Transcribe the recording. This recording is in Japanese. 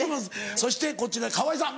そしてこちら川井さん